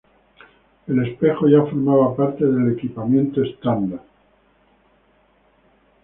El espejo ya formaba parte del equipamiento estándar.